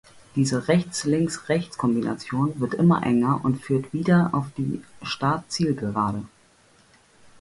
Diese Rechts-links-rechts-Kombination wird immer enger und führt wieder auf die Start-Ziel-Gerade.